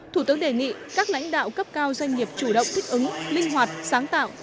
thủ tướng đề nghị các lãnh đạo cấp cao doanh nghiệp chủ động thích ứng linh hoạt sáng tạo